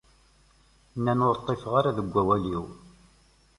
Nnan ur ṭṭifeɣ ara deg awal-iw...